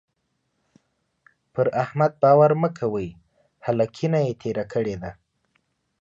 پر احمد باور مه کوئ؛ هلکينه يې تېره کړې ده.